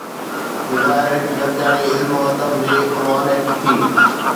بظاهر هڪ گڏجاڻي علم و ادب جي عنوان هيٺ ٿي.